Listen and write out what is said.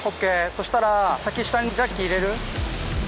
そしたら先下にジャッキ入れる？